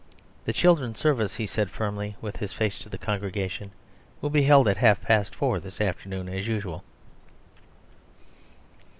'The Children's Service,' he said firmly, with his face to the congregation, 'will be held at half past four this afternoon as usual.